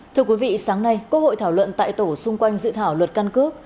thưa quý vị sáng nay quốc hội thảo luận tại tổ xung quanh dự thảo luật căn cước